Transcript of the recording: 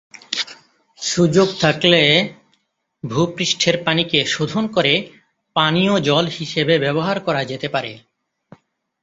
সুযোগ থাকলে ভূ-পৃষ্ঠের পানিকে শোধন করে পানীয় জল হিসেবে ব্যবহার করা যেতে পারে।